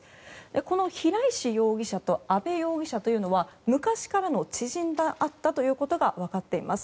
この平石容疑者と阿部容疑者というのは昔からの知人であったということが分かっています。